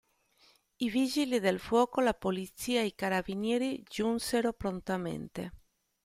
I vigili del fuoco, la polizia e i carabinieri giunsero prontamente.